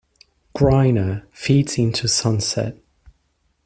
Greiner, feeds into Sunset.